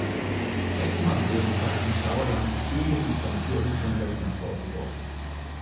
Eckmann wurde seitens Sauerland „fehlende Distanzierung“ von Högner vorgeworfen.